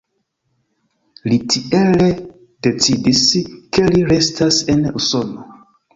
Li tiel decidis, ke li restas en Usono.